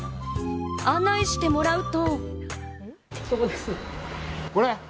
案内してもらうと。